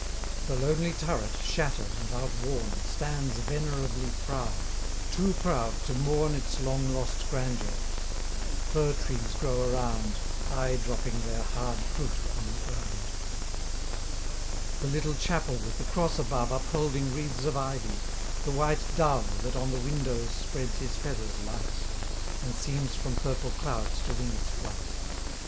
The lonely turret, shatter'd, and outworn, Stands venerably proud; too proud to mourn Its long lost grandeur: fir trees grow around, Aye dropping their hard fruit upon the ground. The little chapel with the cross above Upholding wreaths of ivy; the white dove, That on the windows spreads his feathers light, And seems from purple clouds to wing its flight.